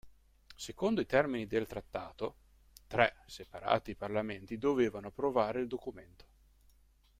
Secondo i termini del trattato, "tre" separati parlamenti dovevano approvare il documento.